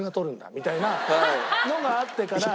みたいなのがあってから。